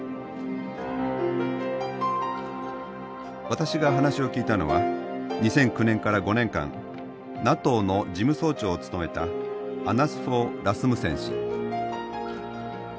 私が話を聞いたのは２００９年から５年間ＮＡＴＯの事務総長を務めたアナス・フォー・ラスムセン氏。